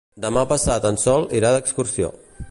Demà passat en Sol irà d'excursió.